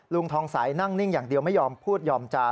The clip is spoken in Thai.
ลุงทองใสนั่งนิ่งอย่างเดียวไม่ยอมพูดยอมจา